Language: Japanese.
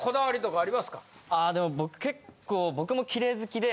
あでも僕結構僕もきれい好きで。